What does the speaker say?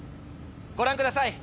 ご覧ください。